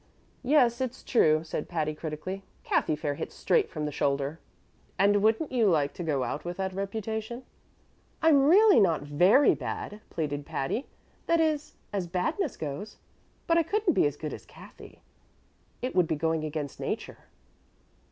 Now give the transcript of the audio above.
"Yes, it's true," said Patty, critically. "Cathy Fair hits straight from the shoulder." "And wouldn't you like to go out with that reputation?" "I'm really not very bad," pleaded Patty, "that is, as badness goes. But I couldn't be as good as Cathy; it would be going against nature."